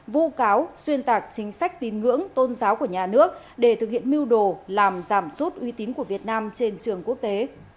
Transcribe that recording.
vụ cáo xuyên tạc chính sách tín ngưỡng tôn giáo của nhà nước để thực hiện mưu đồ làm giảm sút uy tín của việt nam trên trường quốc tế